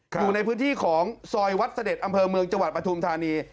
อยู่ในพื้นที่ของซอยวัดเสด็จอำเภอเมืองจังหวัดปฐุมธานี